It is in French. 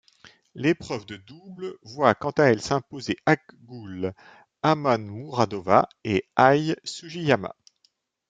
L'épreuve de double voit quant à elle s'imposer Akgul Amanmuradova et Ai Sugiyama.